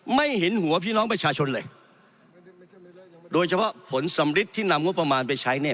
ไม่เห็นหัวพี่น้องประชาชนเลยโดยเฉพาะผลสำริดที่นำงบประมาณไปใช้เนี่ย